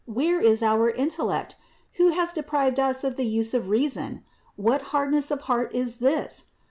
Where is our intellect ? Who has deprived us of the use of reason? What hardness of heart is this?